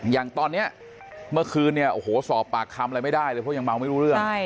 อย่างตอนนี้เมื่อคืนเนี่ยโอ้โหสอบปากคำอะไรไม่ได้เลยเพราะยังเมาไม่รู้เรื่อง